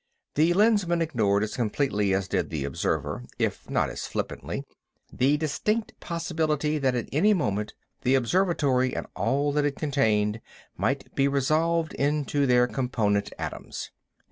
The Lensman ignored as completely as did the observer, if not as flippantly, the distinct possibility that at any moment the observatory and all that it contained might be resolved into their component atoms.